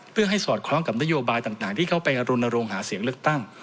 เพื่อให้สอดคล้องกับนโยบายต่างที่เข้าไปรณรงค์หาเสียงเลือกตั้ง